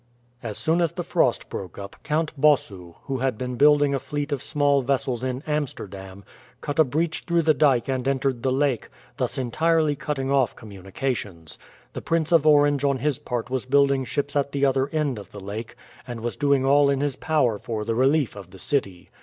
As soon as the frost broke up Count Bossu, who had been building a fleet of small vessels in Amsterdam, cut a breach through the dyke and entered the lake, thus entirely cutting off communications. The Prince of Orange on his part was building ships at the other end of the lake, and was doing all in his power for the relief of the city.